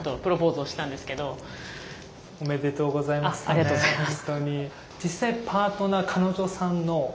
ありがとうございます。